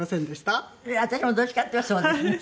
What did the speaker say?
私もどっちかっていえばそうですね。